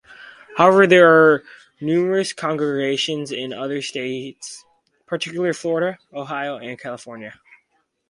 However, there are numerous congregations in other states, particularly Florida, Ohio, and California.